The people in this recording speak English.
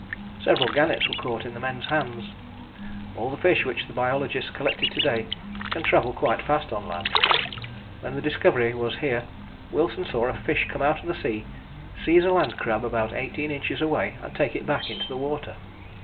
Several gannets were caught in the men's hands. All the fish which the biologist collected to day can travel quite fast on land. When the Discovery was here Wilson saw a fish come out of the sea, seize a land crab about eighteen inches away and take it back into the water.